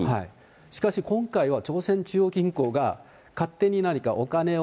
しかし今回は朝鮮中央銀行が、勝手に何かお金を。